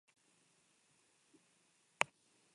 Pentsatu dezakegu beirazko etxe batean eguzki izpien aurrean.